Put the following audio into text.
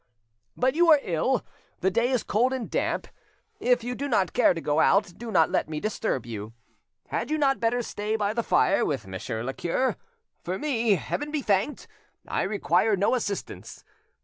But you are ill, the day is cold and damp; if you do not care to go out, do not let me disturb you. Had you not better stay by the fire with Monsieur le cure? For me, Heaven be thanked! I require no assistance.